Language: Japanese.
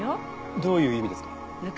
どういう意味ですか？